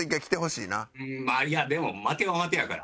いやでも負けは負けやから。